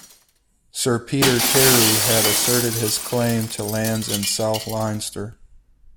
Sir Peter Carew had asserted his claim to lands in south Leinster.